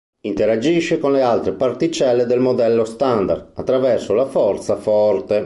Interagisce con le altre particelle del Modello Standard attraverso la forza forte.